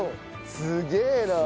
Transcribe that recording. すげえな。